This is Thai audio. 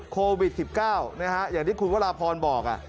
โควิด๑๙อย่างที่คุณวราพรบอก